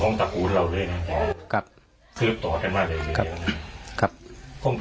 ตระกูลเราด้วยนะอ๋อครับคือต่อได้มาเลยครับครับคุ่ง